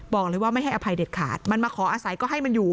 บอกเลยว่าไม่ให้อภัยเด็ดขาดมันมาขออาศัยก็ให้มันอยู่